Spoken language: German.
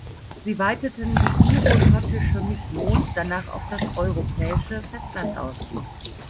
Sie weiteten die iroschottische Mission danach auf das europäische Festland aus.